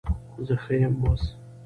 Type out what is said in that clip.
زه ښه یم اوس